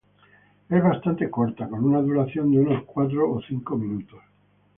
Es bastante corta, con una duración de unos cuatro o cinco minutos.